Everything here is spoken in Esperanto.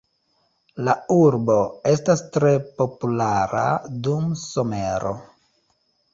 La urbo estas tre populara dum somero.